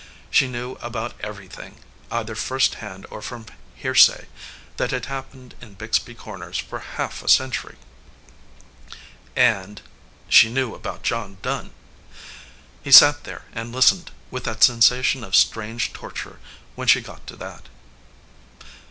She knew about everything, either first hand or from hearsay, that had happened in Bixby Corners for half a century. And she knew about John Dunn ! He sat there and listened, with that sensation of strange tor ture, when she got to that.